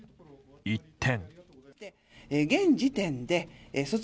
一転。